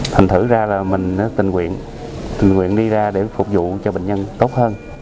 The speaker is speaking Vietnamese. thành thử ra là mình tình nguyện tự nguyện đi ra để phục vụ cho bệnh nhân tốt hơn